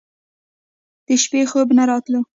د شپې خوب نه راتلو.